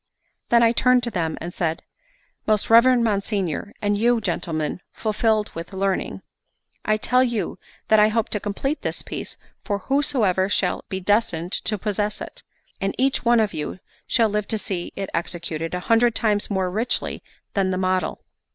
Then I turned to them and said: "Most reverend monsignor, and you, gentlemen, fulfilled with learning; I tell you that I hope to complete this piece for whosoever shall be destined to possess it; and each one of you shall live to I see it executed a hundred times more richly than the model.